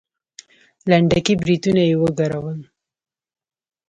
لنډکي برېتونه يې وګرول.